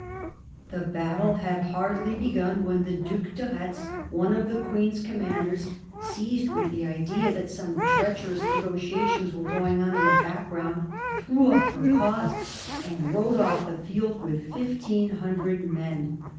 The battle had hardly begun when the Due de Retz, one of the Queen's commanders, seized with the idea that some treacherous negotiations were going on in the back ground, threw up her cause and rode off the field with 1500 men.